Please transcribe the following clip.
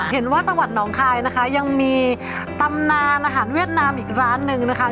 จังหวัดหนองคายนะคะยังมีตำนานอาหารเวียดนามอีกร้านหนึ่งนะคะ